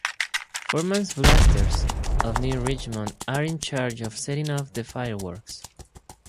Forman's Blasters, of New Richmond, are in charge of setting off the fireworks.